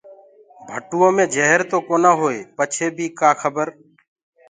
ڀٽوئو مي جهر تو ڪونآ هوئي پچي بي ڪآ کبر؟